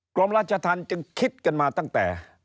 กรมราชธรรมจึงคิดกันมาตั้งแต่